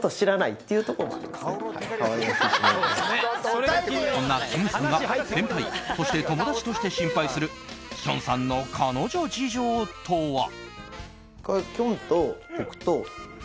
そんな、きむさんが先輩、そして友達として心配するきょんさんの彼女事情とは。